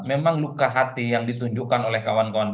memang luka hati yang ditunjukkan oleh kawan kawan